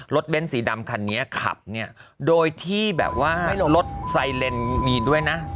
เบ้นสีดำคันนี้ขับเนี่ยโดยที่แบบว่ารถไซเลนมีด้วยนะ